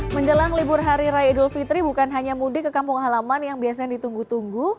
menjelang libur hari raya idul fitri bukan hanya mudik ke kampung halaman yang biasanya ditunggu tunggu